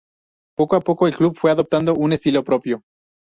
Poco a poco el club fue adoptando un estilo propio.